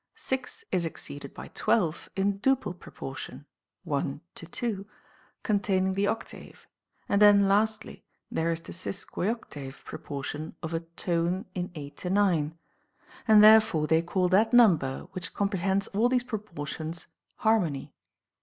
Six is exceeded by twelve in duple propoition (1:2), containing the octave ; and then lastly, there is the sesquioctave proportion of a tone in eight to nine. And therefore they call that number which comprehends all these proportions harmony.